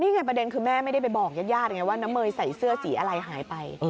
นี่แหละก็เพราะแบบนี้แม่ไม่ได้บอกแยทว่าน้ำเมย์ใส่เสื้อสีอะไรหายไป